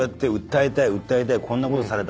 こんなことされた。